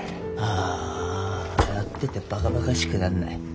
ああやっててばかばかしくなんない？